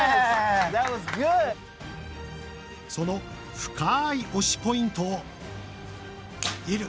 その深い推しポイントを射る！